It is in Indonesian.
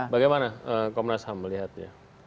bagaimana komnas ham melihatnya